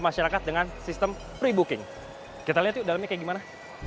masyarakat dengan sistem pre booking kita lihat yuk dalamnya kayak gimana